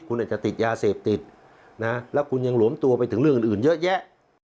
คุณอาจจะติดยาเสพติดนะแล้วคุณยังหลวมตัวไปถึงเรื่องอื่นเยอะแยะ